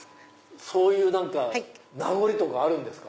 そういう名残とかあるんですか？